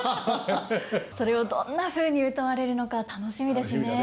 それをどんなふうにうたわれるのか楽しみですね。